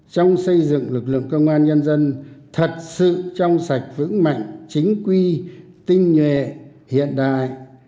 trong xây dựng lực lượng công an nhân dân thật sự trong sạch vững mạnh chính quy tinh nhuệ hiện đại